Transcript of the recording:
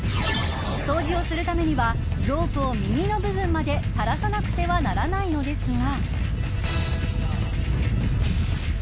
掃除をするためにはロープを耳の部分まで垂らさなくてはならないのですが。